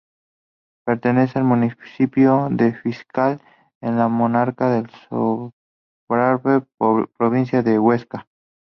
Pertenece al municipio de Fiscal, en la comarca de Sobrarbe, provincia de Huesca.